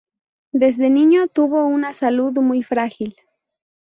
Desde niño tuvo una salud muy frágil.